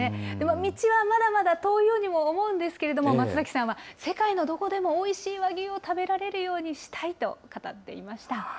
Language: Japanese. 道はまだまだ遠いようにも思うんですけれども、松崎さんは世界のどこでもおいしい和牛を食べられるようにしたいと語っていました。